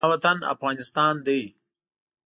زما وطن افغانستان ده